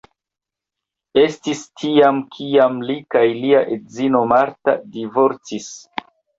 Estis tiam kiam li kaj lia edzino Martha divorcis.